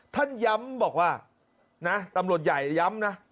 ท่านย้ำบอกว่านะตำรวจใหญ่ย้ำนะ